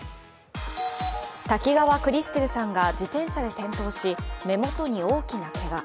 滝川クリステルさんが自転車で転倒し目元に大きなけが。